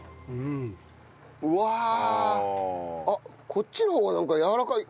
あっこっちの方がなんかやわらかい。